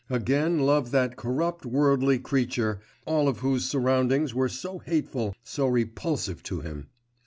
again love that corrupt worldly creature, all of whose surroundings were so hateful, so repulsive to him.